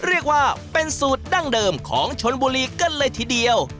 เรียกว่าเป็นสูตรดั้งเดิมของชนบุรีกันเลยทีเดียว